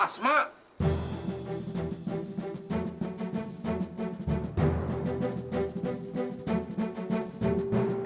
terima kasih pak